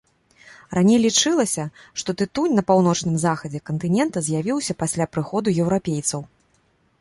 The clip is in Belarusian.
Раней лічылася, што тытунь на паўночным захадзе кантынента з'явіўся пасля прыходу еўрапейцаў.